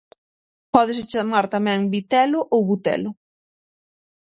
Pódese chamar tamén Bitelo ou Butelo.